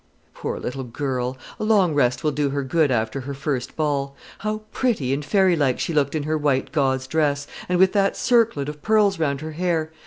"Poor little girl! A long rest will do her good after her first ball. How pretty and fairy like she looked in her white gauze dress, and with that circlet of pearls round her hair!